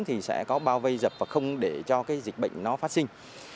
thì sẽ có bao vây dập và không để cho cái dịch bệnh nó phát sinh